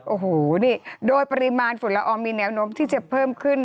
โอ้โหนี่โดยปริมาณฝุ่นละอองมีแนวโน้มที่จะเพิ่มขึ้น